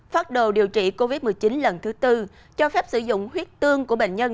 phát đồ điều trị covid một mươi chín lần thứ tư cho phép sử dụng huyết tương của bệnh nhân